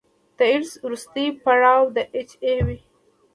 د ایډز وروستی پړاو د اچ آی وي دی.